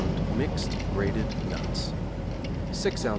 mixed grated nuts, 6 ozs.